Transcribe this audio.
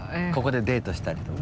ここでデートしたり？